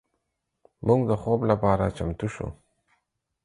موږ د خوب لپاره چمتو شو.